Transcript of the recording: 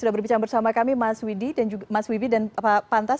sudah berbicara bersama kami mas widi dan mas wibi dan pak pantas